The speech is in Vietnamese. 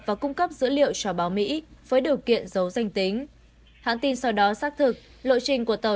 và cung cấp dữ liệu cho báo mỹ với điều kiện dấu danh tính hãng tin sau đó xác thực lộ trình của tàu